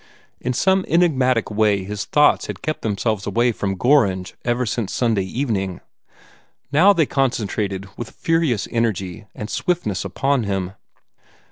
In some enigmatic way his thoughts had kept themselves away from Gorringe ever since Sunday evening. Now they concentrated with furious energy and swiftness upon him.